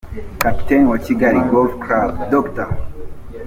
Kapiteni wa Kigali Golf Club, Dr.